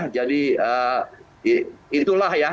jadi itulah ya